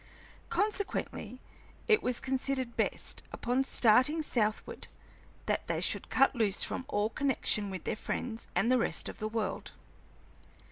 Consequently it was considered best, upon starting southward, that they should cut loose from all connection with their friends and the rest of the world.